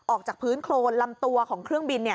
ออกจากพื้นโครนลำตัวของเครื่องบิน